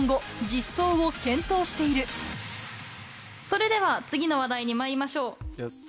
それでは次の話題にまいりましょう。